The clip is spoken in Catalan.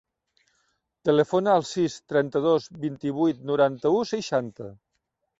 Telefona al sis, trenta-dos, vint-i-vuit, noranta-u, seixanta.